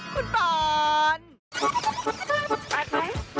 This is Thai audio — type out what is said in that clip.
คุณปอนด์